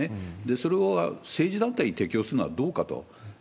それを政治団体に適用するのはどうかと。